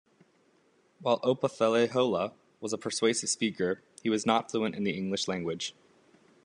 While Opothleyahola was a persuasive speaker, he was not fluent in the English language.